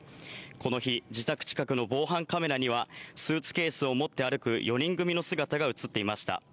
この日、自宅近くの防犯カメラには、スーツケースを持って歩く４人組の姿が写っていました。